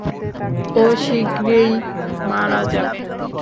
ও শীঘ্রই মারা যাবে।